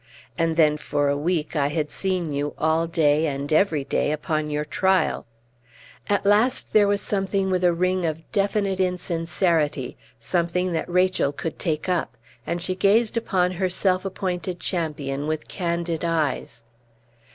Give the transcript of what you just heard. And then for a week I had seen you all day and every day, upon your trial!" At last there something with a ring of definite insincerity, something that Rachel could take up; and she gazed upon her self appointed champion with candid eyes.